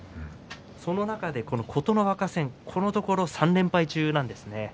そんな中で琴ノ若戦このところ３連敗中です。